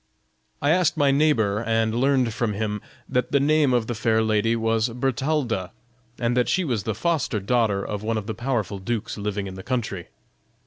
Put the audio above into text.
"I asked my neighbor, and learned from him, that the name of the fair lady was Bertalda, and that she was the foster daughter of one of the powerful dukes living in the country.